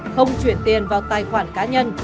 không chuyển tiền vào tài khoản cá nhân